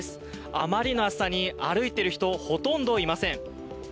あまりの暑さに歩いている人、ほとんどいません。